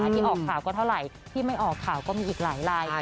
ที่ออกข่าวก็เท่าไหร่ที่ไม่ออกข่าวก็มีอีกหลายลาย